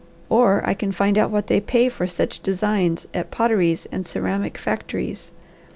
Or I can find out what they pay for such designs at potteries and ceramic factories.